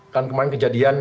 kan kemarin kejadiannya